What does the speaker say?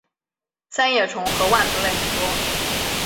三叶虫和腕足类很多。